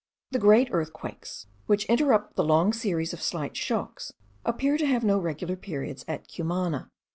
The great earthquakes, which interrupt the long series of slight shocks, appear to have no regular periods at Cumana.